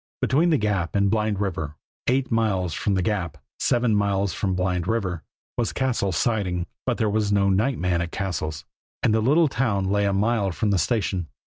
Between the Gap and Blind River, eight miles from the Gap, seven miles from Blind River, was Cassil's Siding. But there was no night man at Cassil's, and the little town lay a mile from the station.